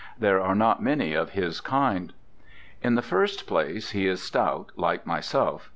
There are not many of his kind. In the first place, he is stout, like myself.